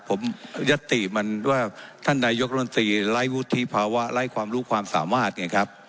ผมยัตติมันว่าท่านนายกรมนตรีไร้วุฒิภาวะไร้ความรู้ความสามารถไงครับ